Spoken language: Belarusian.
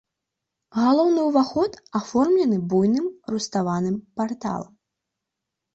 Галоўны ўваход аформлены буйным руставаным парталам.